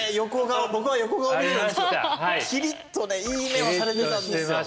僕は横顔見てたんですけどキリッとねいい目をされてたんですよ。